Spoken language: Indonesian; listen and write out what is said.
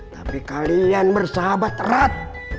tapi kalian bersahabat erat